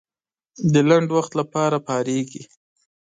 د لنډ وخت لپاره پارېږي.